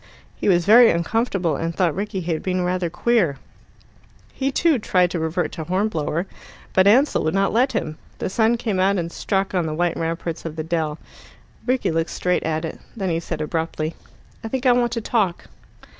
He was very uncomfortable, and thought Rickie had been rather queer. He too tried to revert to Hornblower, but Ansell would not let him. The sun came out, and struck on the white ramparts of the dell. Rickie looked straight at it. Then he said abruptly "I think I want to talk."